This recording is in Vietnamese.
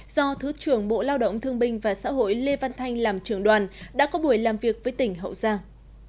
do thứ trưởng bộ lao động thương binh và xã hội lê văn thanh làm trưởng đoàn đã có buổi làm việc với tỉnh hậu giang